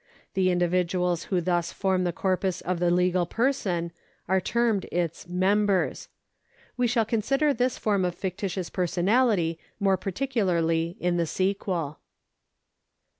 The indi viduals who thus form the corpus of the legal person are termed its members. We shall consider this form of fictitious personality more particularly in the sequel.